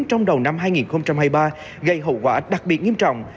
trong đầu năm hai nghìn hai mươi ba gây hậu quả đặc biệt nghiêm trọng